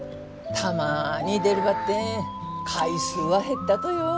たまに出るばってん回数は減ったとよ。